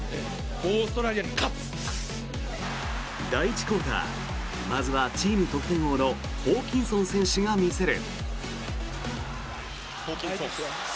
第１クオーターまずはチーム得点王のホーキンソン選手が見せる。